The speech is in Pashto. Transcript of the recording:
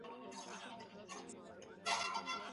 یوازې همت او کار غواړي.